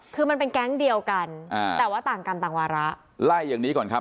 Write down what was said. คือมันเป็นแก๊งเดียวกันอ่าแต่ว่าต่างกรรมต่างวาระไล่อย่างนี้ก่อนครับ